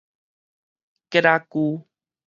桔仔龜